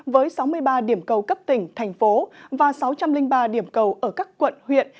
với sáu mươi ba điểm cầu cấp tỉnh thành phố và sáu trăm linh ba điểm cầu ở các quận huyện